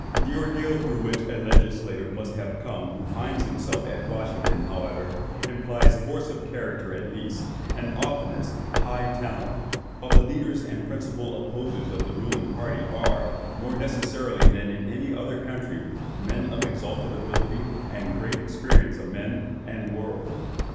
The ordeal through which a legislator must have come who finds himself at Washington, however, implies force of character at least, and oftenest, high talent; while the leaders and principal opposers of the ruling party, are, more necessarily than in any other country, men of exalted abilities and great experience of men and the world.